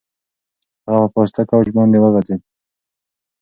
هغه په پاسته کوچ باندې وغځېد.